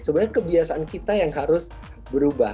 sebenarnya kebiasaan kita yang harus berubah